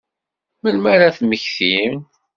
Melmi ara ad mmektin?